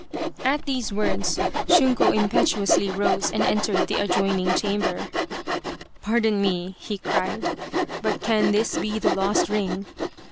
At these words Shunko impetuously rose and entered the adjoini .g chamber. " Pardon me," he cried, " but can this be the lost ring